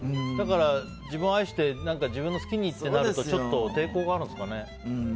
だから、自分を愛して自分の好きにとなるとちょっと抵抗があるんですかね。